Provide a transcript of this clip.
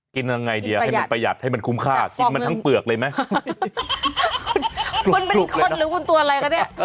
กินนางไงเดี๋ยวให้มันประหยัดให้มันคุ้มค่าสิดมันทั้งเปลือกเลยมั้ย